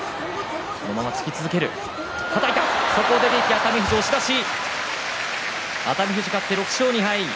熱海富士、押し出し熱海富士、勝って６勝２敗